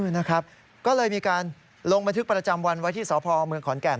นะครับก็เลยมีการลงบันทึกประจำวันไว้ที่สพเมืองขอนแก่น